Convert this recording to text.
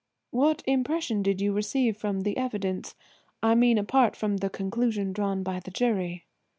"What impression did you receive from the evidence–I mean apart from the conclusions drawn by the jury?"